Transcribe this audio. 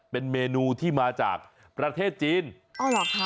เป็นเมนูที่มาจากประเทศจีนอ๋อเหรอคะ